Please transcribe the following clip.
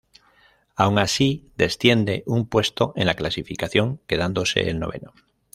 Aun así, desciende un puesto en la clasificación quedándose el noveno.